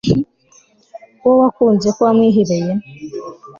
uwo wakunze ko wamwihebeye